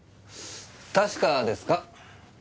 確かですか？